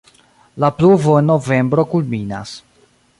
La pluvo en novembro kulminas.